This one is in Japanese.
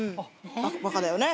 バカだよね。